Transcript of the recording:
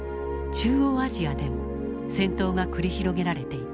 中央アジアでも戦闘が繰り広げられていた。